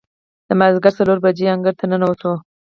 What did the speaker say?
د مازدیګر څلور بجې انګړ ته ننوتو.